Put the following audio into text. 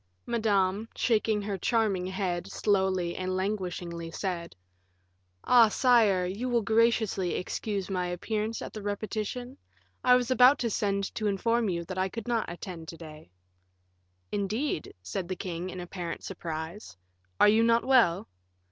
Madame, shaking her charming head, slowly and languishingly said: "Ah! sire, will you graciously excuse my appearance at the repetition? I was about to send to inform you that I could not attend to day." "Indeed," said the king, in apparent surprise; "are you not well?"